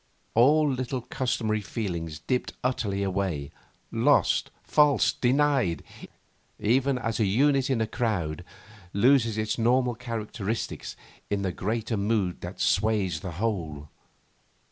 All little customary feelings dipped utterly away, lost, false, denied, even as a unit in a crowd loses its normal characteristics in the greater mood that sways the whole.